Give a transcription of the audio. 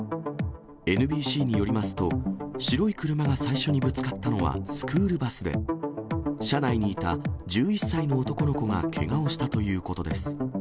ＮＢＣによりますと、白い車が最初にぶつかったのはスクールバスで、車内にいた１１歳の男の子がけがをしたということです。